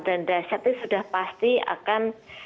dan dasar itu sudah pasti akan